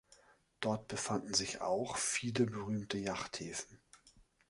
Dort befanden sich auch viele berühmte Yachthäfen.